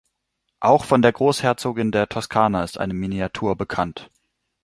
Auch von der Großherzogin der Toskana ist eine Miniatur bekannt.